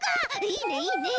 いいねいいね。